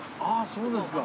そうですか。